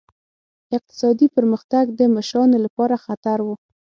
اقتصادي پرمختګ د مشرانو لپاره خطر و.